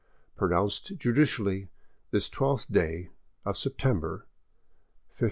Pronounced judicially this 12th day of September 1560."